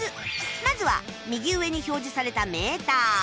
まずは右上に表示されたメーター